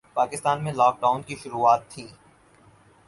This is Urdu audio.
پاکستان میں لاک ڈاون کی شروعات تھیں